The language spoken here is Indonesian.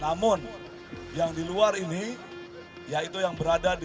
namun yang di luar ini yaitu yang berada di